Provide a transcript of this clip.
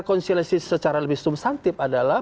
konstitusi secara lebih sumstantif adalah